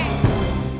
ini gede banget sih